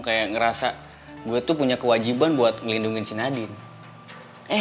kayak ngerasa gue tuh punya kewajiban buat melindungi si nadine